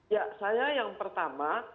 ya saya yang pertama